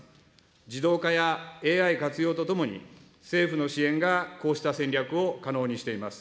自動化やＡＩ活用とともに、政府の支援がこうした戦略を可能にしています。